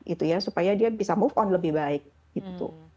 itu ya supaya dia bisa move on lebih baik gitu